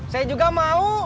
saya juga mau